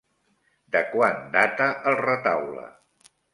De quan data el retaule?